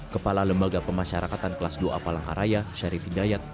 kepala lembaga pemasyarakatan kelas dua a palangkaraya syarif hidayat